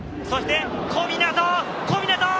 そして小湊！